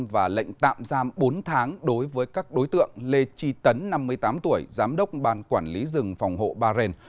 và lệnh tạm giam bốn tháng đối với các đối tượng lê tri tấn năm mươi tám tuổi giám đốc ban quản lý rừng phòng hộ bà rền